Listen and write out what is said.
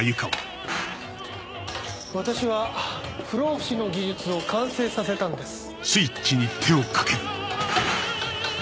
私は不老不死の技術を完成させたんです。